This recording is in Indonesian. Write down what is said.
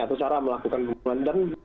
atau cara melakukan pembunuhan dan